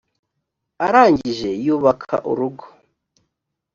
arangije yubaka urugo